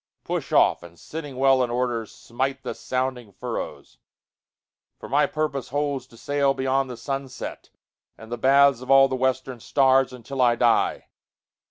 Push off, and sitting well in order smiteThe sounding furrows; for my purpose holdsTo sail beyond the sunset, and the bathsOf all the western stars, until I die.